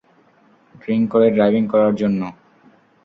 Drink করে driving করার জন্য!